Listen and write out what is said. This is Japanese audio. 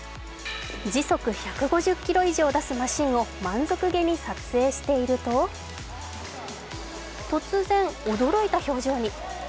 時速１５０キロ以上出すマシンを満足げに撮影していると、突然、驚いた表情に。